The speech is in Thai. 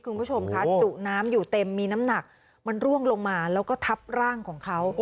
คุณผู้ชมคะจุน้ำอยู่เต็มมีน้ำหนักมันร่วงลงมาแล้วก็ทับร่างของเขา